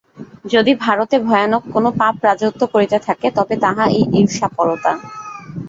যদি ভারতে ভয়ানক কোন পাপ রাজত্ব করিতে থাকে, তবে তাহা এই ঈর্ষাপরতা।